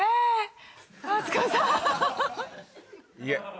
いえ